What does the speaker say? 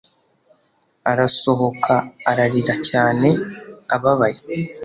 Arasohoka ararira cyane ababaye